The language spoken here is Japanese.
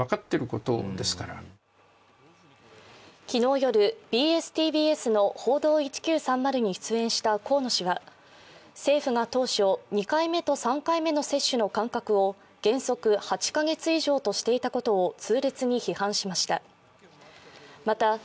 昨日夜、ＢＳ−ＴＢＳの「報道１９３０」に出演した河野氏は、政府が当初、２回目と３回目の接種の間隔を原則８カ月以上としていたことを痛烈に批判しました。